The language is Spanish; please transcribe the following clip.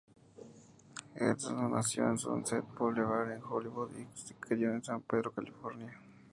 Erlandson nació en Sunset Boulevard en Hollywood y se crio en San Pedro, California.